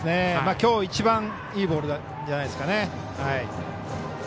きょう、一番いいボールじゃないですかね。